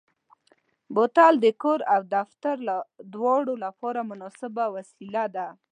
بوتل د کور او دفتر دواړو لپاره مناسبه وسیله ده.